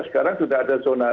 sekarang sudah ada zona